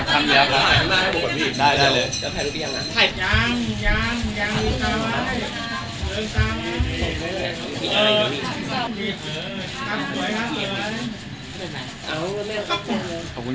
ให้เราดูก็ตามไปก่อน